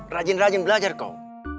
rajin rajin belajar kau